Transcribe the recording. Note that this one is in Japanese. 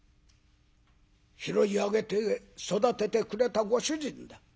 拾い上げて育ててくれたご主人だ。